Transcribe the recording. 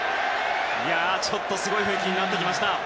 ちょっとすごい雰囲気になってきた。